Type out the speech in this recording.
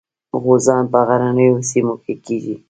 غوزان په غرنیو سیمو کې کیږي.